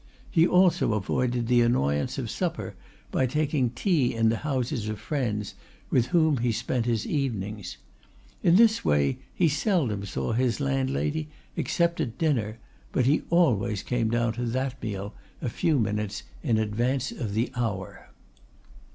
He also avoided the annoyance of supper by taking tea in the houses of friends with whom he spent his evenings. In this way he seldom saw his landlady except at dinner; but he always came down to that meal a few minutes in advance of the hour.